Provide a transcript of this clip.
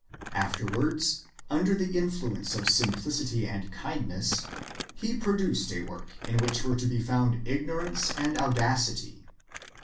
Afterwards, under the influence of simplicity and kindness, he produced a work in which were to be found ignorance and audacity.